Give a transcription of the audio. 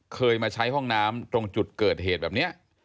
เคยมาใช้ห้องน้ำตรงจุดเกิดเหตุแบบนี้